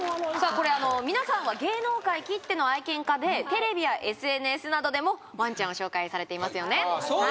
これ皆さんは芸能界きっての愛犬家でテレビやＳＮＳなどでもワンちゃんを紹介されていますよねああ